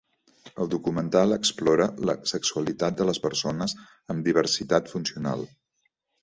El documental explora la sexualitat de les persones amb diversitat funcional.